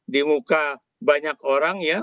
di muka banyak orang ya